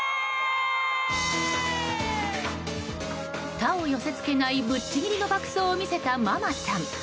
他を寄せ付けないぶっちぎりの爆走を見せたママさん。